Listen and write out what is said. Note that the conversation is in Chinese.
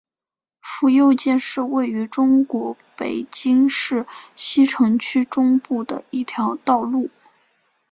府右街是位于中国北京市西城区中部的一条道路。